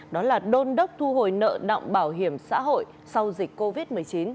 đó là đôn đốc thu hồi nợ động bảo hiểm xã hội sau dịch covid một mươi chín